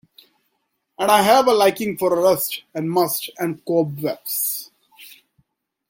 And I have a liking for rust and must and cobwebs.